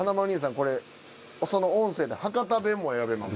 これその音声で博多弁も選べます。